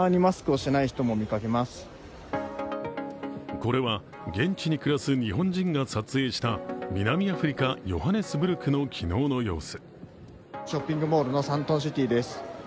これは現地に暮らす日本人が撮影した南アフリカ・ヨハネスブルクの昨日の様子。